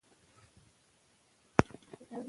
ایا د ښځینه لیکوالو په اړه نوي تحقیقات کیږي؟